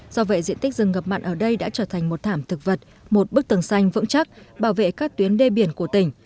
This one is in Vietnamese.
do vậy diện tích rừng ngập mặn ở đây đã trở thành một thảm thực vật một bức tầng xanh vững chắc bảo vệ các tuyến đê biển của tỉnh